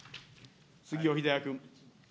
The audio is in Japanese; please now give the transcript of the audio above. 杉尾秀哉君。